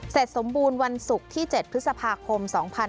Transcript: สมบูรณ์วันศุกร์ที่๗พฤษภาคม๒๕๕๙